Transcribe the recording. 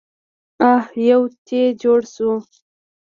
اح يوه تې جوړه شوه.